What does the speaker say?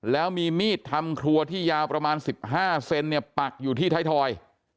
แล้วมีมีดทำครัวที่ยาวประมาณ๑๕เซนเนี่ยปักอยู่ที่ไทยทอย